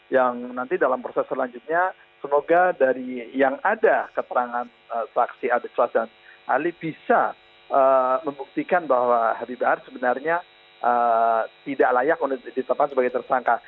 yang nanti dalam proses selanjutnya semoga dari yang ada keterangan saksi adik kelas dan ahli bisa membuktikan bahwa habib bahar sebenarnya tidak layak untuk ditetapkan sebagai tersangka